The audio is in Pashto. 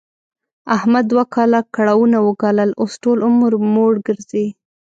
احمد دوه کاله کړاوونه و ګالل، اوس ټول عمر موړ ګرځي.